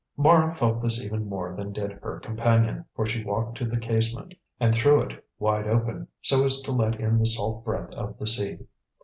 Mara felt this even more than did her companion, for she walked to the casement and threw it wide open, so as to let in the salt breath of the sea.